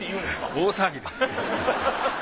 大騒ぎです。